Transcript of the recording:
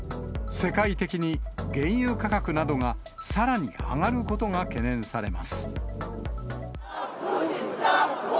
世界的に、原油価格などがさらに上がることが懸念されます。